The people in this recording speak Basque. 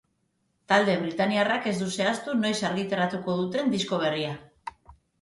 Talde britainiarrak ez du zehaztu noiz argitaratuko duten disko berria.